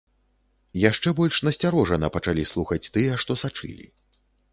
Яшчэ больш насцярожана пачалі слухаць тыя, што сачылі.